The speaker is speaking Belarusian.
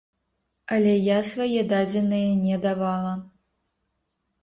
Але я свае дадзеныя не давала.